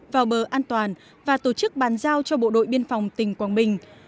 vào bờ an toàn và tổ chức bàn giao cho bộ đội biên phòng tỉnh quảng bình